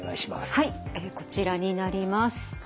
はいこちらになります。